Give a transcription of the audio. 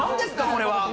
これは。